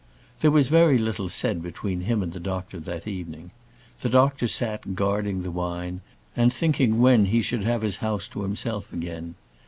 There was very little said between him and the doctor that evening. The doctor sat guarding the wine, and thinking when he should have his house to himself again.